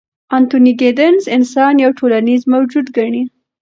انتوني ګیدنز انسان یو ټولنیز موجود ګڼي.